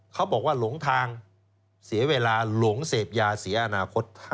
เขาบอกว่าหลงทางเสียเวลาหลงเสพยาเสียอนาคต